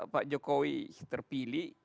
pak jokowi terpilih